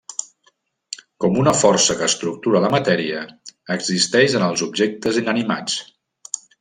Com una força que estructura la matèria, existeix en els objectes inanimats.